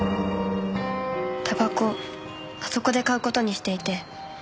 たばこあそこで買う事にしていて。